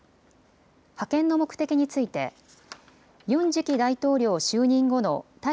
派遣の目的についてユン次期大統領就任後の対